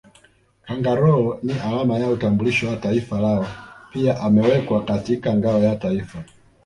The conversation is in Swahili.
Kangaroo ni alama ya utambulisho wa taifa lao pia amewekwa katika ngao ya Taifa